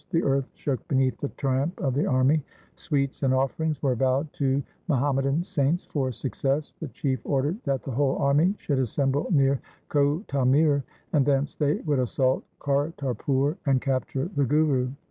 The earth shook beneath the tramp of the army. Sweets and offerings were vowed to Muhammadan saints for success. The LIFE OF GURU HAR GOBIND 203 Chief ordered that the whole army should assemble near Chhotamir, and thence they would assault Kartarpur and capture the Guru.